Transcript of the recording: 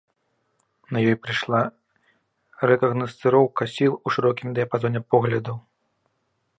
На ёй прайшла рэкагнасцыроўка сіл у шырокім дыяпазоне поглядаў.